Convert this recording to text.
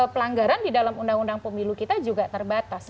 pelanggaran di dalam undang undang pemilu kita juga terbatas